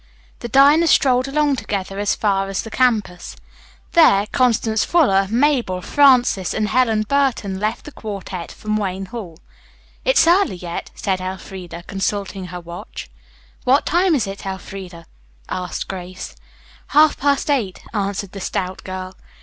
The diners strolled along together as far as the campus. There, Constance Fuller, Mabel, Frances and Helen Burton left the quartette from Wayne Hall. "It's early yet," said Elfreda, consulting her watch. "What time is it, Elfreda?" asked Grace. "Half past eight," answered the stout girl.